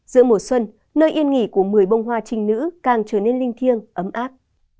giữa mùa xuân nơi yên nghỉ của một mươi bông hoa trình nữ càng trở nên linh thiêng ấm áp